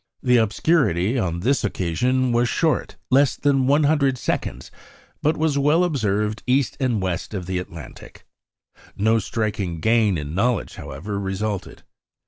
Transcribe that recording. The obscurity on this occasion was short less than 100 seconds but was well observed east and west of the Atlantic. No striking gain in knowledge, however, resulted.